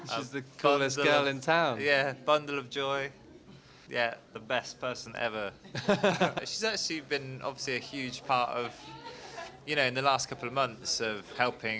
ia juga sangat menarik karena dia sangat berbahagia untuk membuat konser kita berkembang